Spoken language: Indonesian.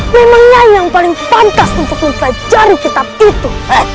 memang nyai yang paling pantas untuk mempelajari kitab itu